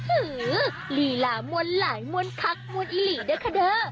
อื้อหือลีลามวลหลายมวลคักมวลอิหรี่ด้วยค่ะเด้อ